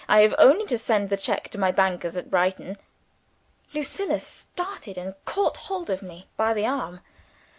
I have only to send the cheque to my bankers at Brighton." Lucilla started, and caught hold of me by the arm.